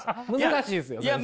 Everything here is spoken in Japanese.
難しいですよ先生。